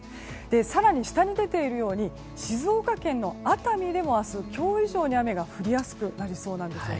更に下に出ているように静岡県の熱海でも明日、今日以上に雨が降りやすくなりそうなんです。